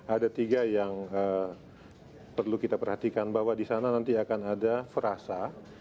ada tiga yang perlu kita perhatikan bahwa di sana nanti akan ada frasa